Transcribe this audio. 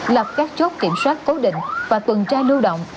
lập các chốt kiểm soát cố định và tuần tra lưu động